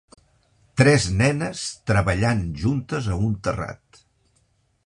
Tres nenes treballant juntes a un terrat.